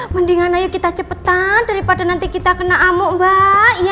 mendingan ayo kita cepetan daripada nanti kita kena amuk mbak